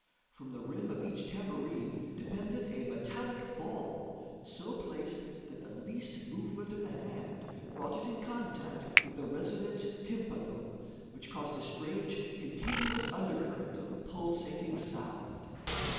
From the rim of each tambourine depended a metallic ball, so placed that the least movement of the hand brought it in contact with the resonant tympanum, which caused a strange, continuous undercurrent of pulsating sound.